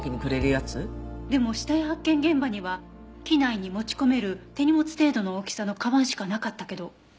でも死体発見現場には機内に持ち込める手荷物程度の大きさの鞄しかなかったけど。